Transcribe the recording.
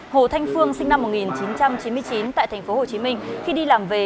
hồ thanh phương sinh năm một nghìn chín trăm chín mươi chín tại tp hcm khi đi làm về